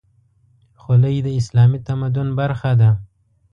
خولۍ د اسلامي تمدن برخه ده.